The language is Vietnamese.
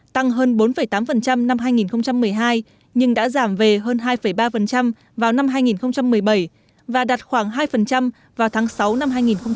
tăng hơn bốn tám năm hai nghìn một mươi hai nhưng đã giảm về hơn hai ba vào năm hai nghìn một mươi bảy và đạt khoảng hai vào tháng sáu năm hai nghìn một mươi bảy